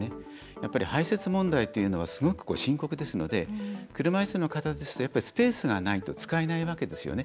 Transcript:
やっぱり、排せつ問題というのはすごく深刻ですので車いすの方ですとやっぱりスペースがないと使えないわけですよね。